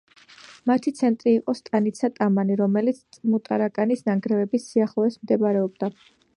მათი ცენტრი იყო სტანიცა ტამანი, რომელიც ტმუტარაკანის ნანგრევების სიახლოვეს მდებარეობდა.